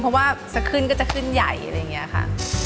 เพราะว่าจะขึ้นก็จะขึ้นใหญ่อะไรอย่างนี้ค่ะ